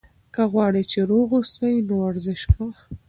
که غواړې چې روغ اوسې، نو ورزش کوه.